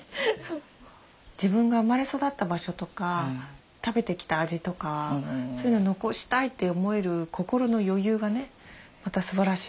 自分が生まれ育った場所とか食べてきた味とかそういうの残したいって思える心の余裕がねまたすばらしいですよね。